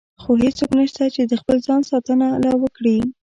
خو هېڅوک نشته چې د خپل ځان ساتنه لا وکړي.